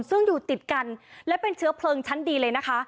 ซึ่งอยู่ติดกันและเป็นเชื้อเพลิงชั้นดีเลยนะคะ